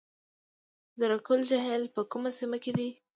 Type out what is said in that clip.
زرکول جهیل په کومه سیمه کې دی؟